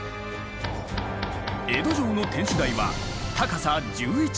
江戸城の天守台は高さ１１ｍ。